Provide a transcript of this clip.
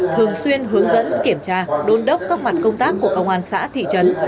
thường xuyên hướng dẫn kiểm tra đôn đốc các mặt công tác của công an xã thị trấn